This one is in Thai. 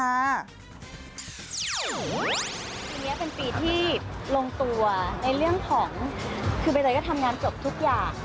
ปีนี้เป็นปีที่ลงตัวในเรื่องของคือใบเตยก็ทำงานจบทุกอย่าง